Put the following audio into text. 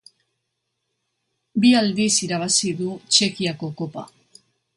Bi aldiz irabazi du Txekiako Kopa.